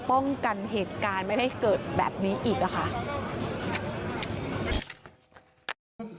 ป้องกันเหตุการณ์ไม่ได้เกิดแบบนี้อีกอะค่ะ